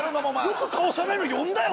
よく顔知らないのに呼んだよ！